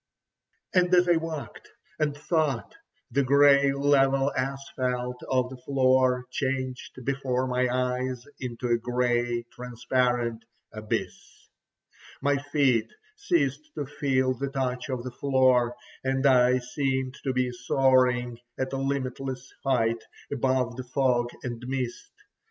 And as I walked, and thought, the grey level asphalt of the floor changed before my eyes into a grey, transparent abyss. My feet ceased to feel the touch of the floor, and I seemed to be soaring at a limitless height above the fog and mist.